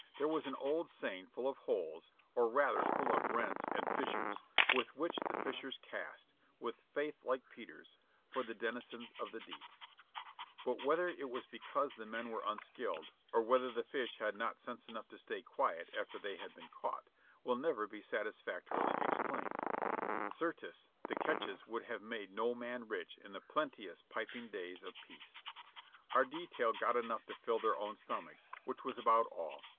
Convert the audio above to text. There was an old seine full of holes, or rather full of rents and fissures, with which the fishers cast, with faith like Peter's, for the denizens of the deep; but whether it was because the men were unskilled, or whether the fish had not sense enough to stay quiet after they had been caught, will never be satisfactorily explained; certes, the catches would have made no man rich in the plenteous, piping days of peace. Our detail got enough to fill their own stomachs, which was about all.